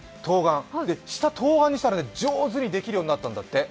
下、とうがんにしたら上手にできるようになったんだって。